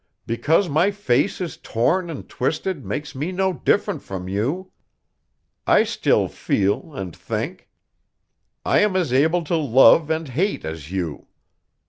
Because my face is torn and twisted makes me no different from you. I still feel and think. I am as able to love and hate as you.